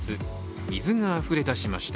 水があふれ出しました。